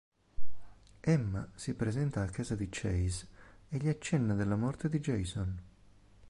Emma si presenta a casa di Chase e gli accenna della morte di Jason.